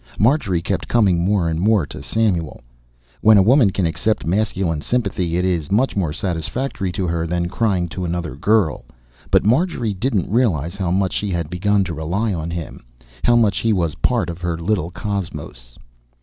Marjorie kept coming more and more to Samuel; when a woman can accept masculine sympathy at is much more satisfactory to her than crying to another girl. But Marjorie didn't realize how much she had begun to rely on him, how much he was part of her little cosmos.